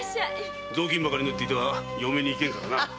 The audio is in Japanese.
雑巾ばかり縫っていては嫁にいけんからな。